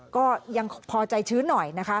ก็ยังพอใจชื้นหน่อยนะคะ